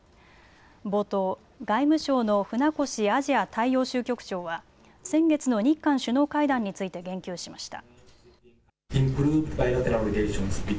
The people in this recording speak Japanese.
冒頭、外務省の船越アジア大洋州局長は先月の日韓首脳会談について言及しました。